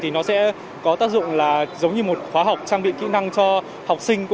thì nó sẽ có tác dụng giống như một khóa học trang bị kỹ năng cho học sinh